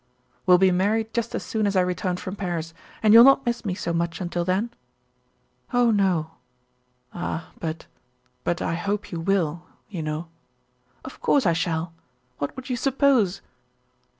"We'll be married just as soon as I return from Paris, and you'll not miss me so much until then?" "Oh, no." "Ah but but I hope you will you know." "Of course I shall! What would you suppose?"